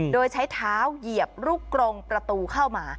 โดยใช้เท้าเหยียบลูกกรงประตูเข้ามา